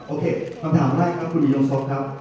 โอเคคำถามได้ครับคุณอีน่องทรอบครับ